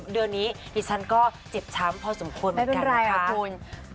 เดือนนี้ดิฉันก็เจ็บช้ำพอสมควรเหมือนกันนะคะ